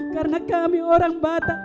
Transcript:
karena kami orang batak